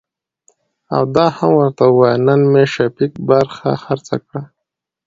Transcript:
او دا هم ورته وايه نن مې شفيق برخه خرڅه کړه .